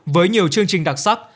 với nhiều chương trình đặc sắc